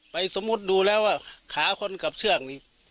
สมมุติดูแล้วว่าขาคนกับเชือกนี่